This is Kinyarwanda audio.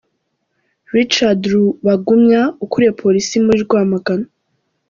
Richard Rubagumya ukuriye polisi muri Rwamagana.